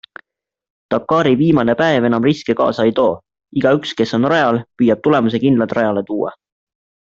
Dakari viimane päev enam riske kaasa ei too, igaüks, kes on rajal, püüab tulemuse kindlalt rajale tuua.